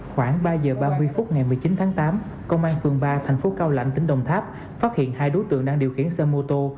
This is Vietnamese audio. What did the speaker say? khoảng ba giờ ba mươi phút ngày một mươi chín tháng tám công an phường ba thành phố cao lãnh tỉnh đồng tháp phát hiện hai đối tượng đang điều khiển xe mô tô